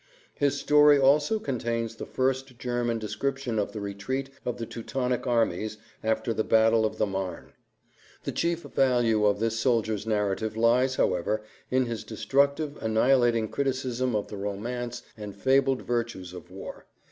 His story also contains the first German description of the retreat of the Teutonic armies after the battle of the Marne. The chief value of this soldier's narrative lies, however, in his destructive, annihilating criticism of the romance and fabled virtues of war.